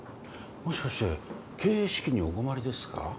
もしかして経営資金にお困りですか？